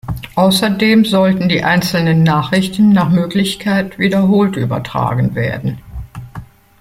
Außerdem sollten die einzelnen Nachrichten nach Möglichkeit wiederholt übertragen werden.